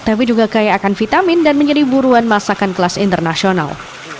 tapi juga kaya akan vitamin dan menjadi buruan masakan kelas internasional